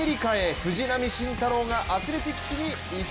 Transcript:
藤浪晋太郎がアスレチックスに移籍。